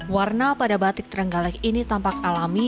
warna pada batik terenggalek ini tampak alami